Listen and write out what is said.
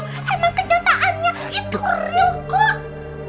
emang kenyataannya itu real kok